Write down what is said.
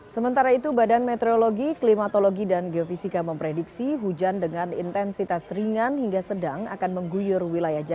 sangat sulit untuk berdiri di sini dan mengetahui apa yang paling sulit